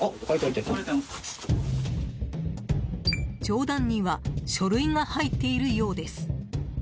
上段には書類が入っているようです。